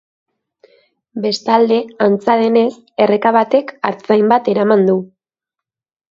Bestalde, antza denez, erreka batek artzain bat eraman du.